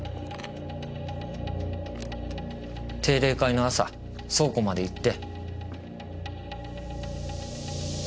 定例会の朝倉庫まで行って。